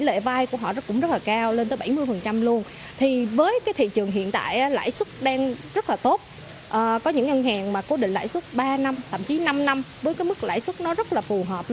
lên rất là cao nên là giúp cho họ